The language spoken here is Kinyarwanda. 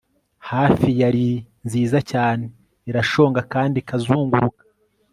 Hafi ya lili nziza cyane irashonga kandi ikazunguruka